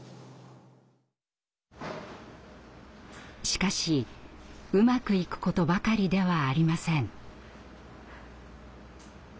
しかしうまくいくことばかりではありません。